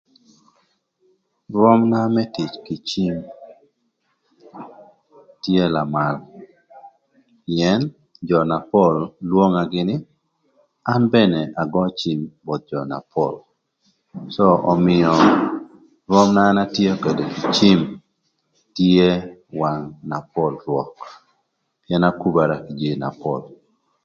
Rwömna më tic kï cim tye lamal pïën jö na pol lwonga gïnï an bene agöö cim both jö na pol cë ömïö rwöm na an atio ködë kï cim tye wang na pol rwök pïën akubara kï jïï na pol.